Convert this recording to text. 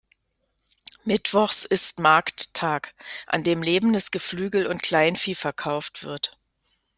Mittwochs ist Markttag, an dem lebendes Geflügel und Kleinvieh verkauft wird.